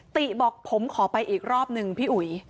ติบอกผมขอไปอีกรอบหนึ่งพี่อุ๋ย